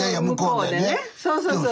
そうそうそうそう。